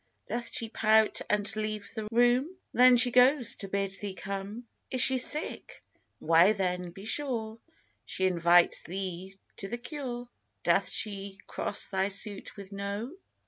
Doth she pout and leave the room? Then she goes to bid thee come. Is she sick? why then be sure She invites thee to the cure. Doth she cross thy suit with "No"?